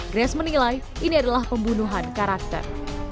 grace menilai ini adalah pembunuhan karakter